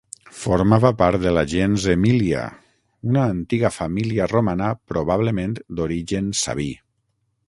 Formava part de la gens Emília, una antiga família romana probablement d'origen sabí.